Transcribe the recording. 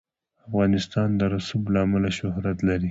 افغانستان د رسوب له امله شهرت لري.